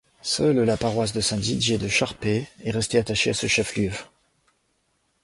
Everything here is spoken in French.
Seule la paroisse de Saint-Didier de Charpey est restée rattachée à ce chef-lieu.